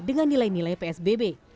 dengan nilai nilai psbb